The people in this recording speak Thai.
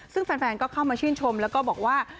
ซึ่งแฟนก็เข้ามาชื่นชมแล้วก็บอกว่า